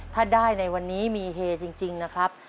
ถ้าได้ในวันนี้มีเฮจริงนะครับ